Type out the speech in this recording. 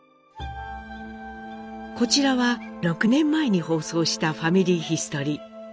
こちらは６年前に放送した「ファミリーヒストリー」。